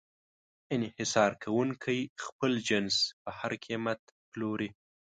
انحصار کوونکی خپل جنس په هر قیمت پلوري.